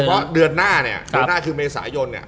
เพราะเดือนหน้าเนี่ยเดือนหน้าคือเมษายนเนี่ย